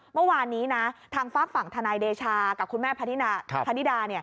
เมื่อวานนี้นะทางฝากฝั่งทนายเดชากับคุณแม่พนิดา